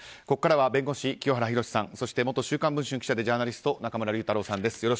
ここからは弁護士の清原博さんそして元「週刊文春」記者でジャーナリスト中村竜太郎さんです。